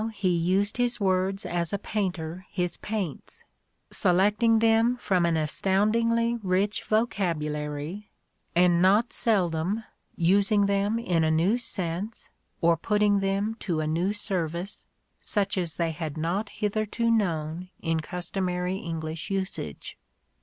he used his words as a painter his paints, — selecting them from an astoundingly rich vocabu lary, and not seldom using them in a new sense, or putting them to a new service, such as they had not hitherto known in customary English usage.